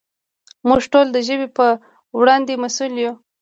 موږ ټول د ژبې په وړاندې مسؤل یو.